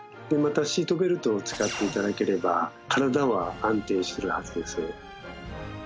またシートベルトを使って頂ければ体は安定するはずです。